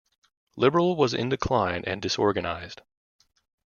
Liberal was in decline and disorganised.